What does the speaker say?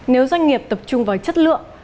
nếu doanh nghiệp tập trung vào chất lượng